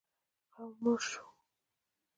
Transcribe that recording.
قوم مړ شو.